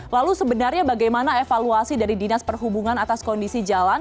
lalu sebenarnya bagaimana evaluasi dari dinas perhubungan atas kondisi jalan